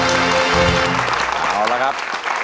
น้อยหน่าของเรามีความเลวของเราซักครั้งเลยแล้วนะครับ